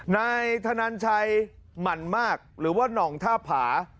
นายธนันชัยหมั่นมากหรือว่าน่องท่าผา